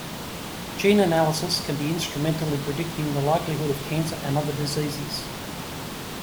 Gene analysis can be instrumental in predicting the likelihood of cancer and other diseases.